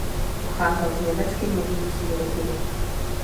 Pocházel z německy mluvící rodiny.